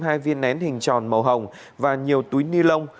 hai viên nén hình tròn màu hồng và nhiều túi ni lông